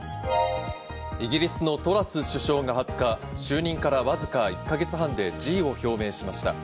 イギリスのトラス首相が２０日、就任からわずか１か月半で辞意を表明しました。